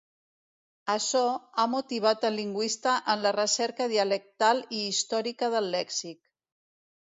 Açò ha motivat el lingüista en la recerca dialectal i històrica del lèxic.